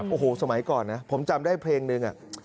โอ้โหสมัยก่อนนะผมจำได้เพลงนึง